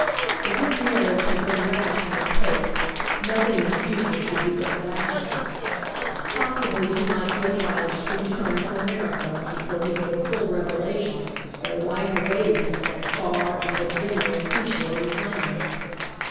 If his marriage had been rash in its haste, nothing in the future should be done rashly. Possibly he might be obliged to return to America before he made a full revelation that a wife awaited him in that far and but dimly appreciated land.